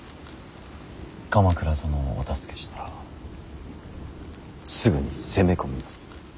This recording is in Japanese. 鎌倉殿をお助けしたらすぐに攻め込みます。